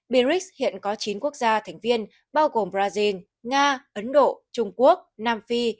birix hiện có chín quốc gia thành viên bao gồm brazil nga ấn độ trung quốc nam phi